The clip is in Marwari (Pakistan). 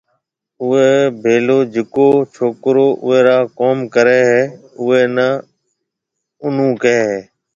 اوئيَ ڀيݪو جڪو ڇوڪرو اوئي را ڪوم ڪريَ ھيََََ اوئيَ ني انون ڪھيََََ ھيََََ